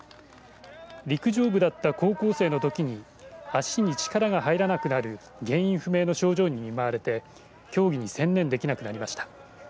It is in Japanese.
陸上部だった高校生のときに足に力が入らなくなる原因不明の症状に見舞われて競技に専念できなくなりました。